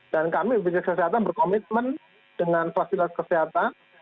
dan kami bpjs kesehatan berkomitmen dengan fasilitas kesehatan